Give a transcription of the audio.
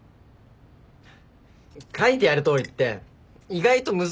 書いてあるとおりって意外と難しいんだぞ。